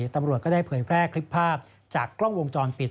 ตำรวจก็ได้เผยแพร่คลิปภาพจากกล้องวงจรปิด